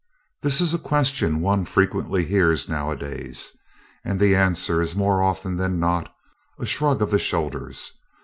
This is a question one frequently hears nowadays; and the answer is, more often than not, a shrug of the shoulders.